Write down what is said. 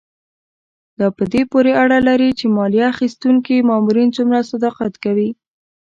دا په دې پورې اړه لري چې مالیه اخیستونکي مامورین څومره صداقت کوي.